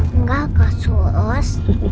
enggak kak sus